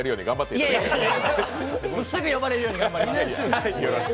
いやいや、すぐ呼ばれるように頑張ります。